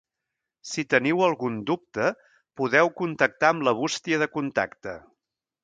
Si teniu algun dubte podeu contactar amb la Bústia de contacte.